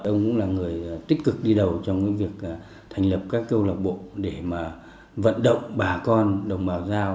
ông cũng là người tích cực đi đầu trong cái việc thành lập các cơ lộc bộ để mà vận động bà con đồng bào giao